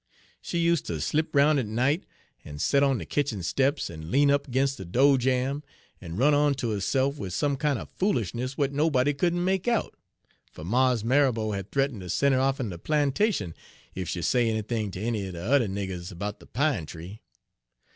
She useter slip 'roun' at night, en set on de kitchen steps, en lean up agin de do'jamb, en run on ter herse'f wid some kine er foolishness w'at nobody couldn' make out; for Mars Marrabo had th'eaten' ter sen' her off'n de plantation ef she say anythin ter any er de yuther niggers 'bout de pine tree.